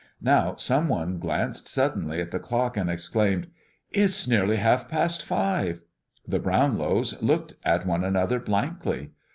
Now some one glanced suddenly at the clock, and exclaimed, "It's nearly half past five!" The Brownlows looked at one another blankly.